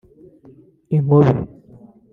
inkobe